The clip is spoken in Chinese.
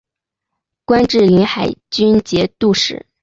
官至临海军节度使。